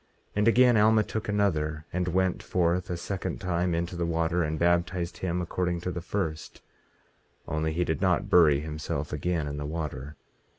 18:15 And again, Alma took another, and went forth a second time into the water, and baptized him according to the first, only he did not bury himself again in the water.